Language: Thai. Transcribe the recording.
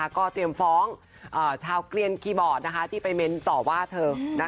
ก็เตรียมฟ้องชาวเกลียนคีย์บอร์ดที่ไปเม้นต่อว่าเธอ